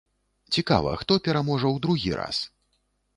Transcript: Цікава, хто пераможа ў другі раз?